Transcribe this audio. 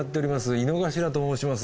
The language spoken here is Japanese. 井之頭と申します。